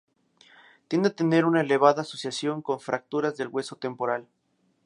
Tiende a tener una elevada asociación con fracturas del hueso temporal.